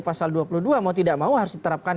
pasal dua puluh dua mau tidak mau harus diterapkan